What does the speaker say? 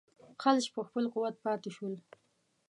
خلج په خپل قوت پاته شول.